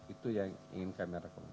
itu yang ingin kami rekomendasikan